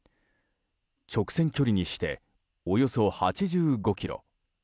直線距離にしておよそ８５ｋｍ。